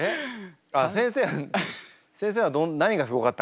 あっ先生先生は何がすごかったかと？